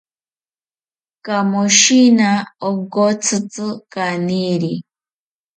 Kamoshina onkotzitzi kaniri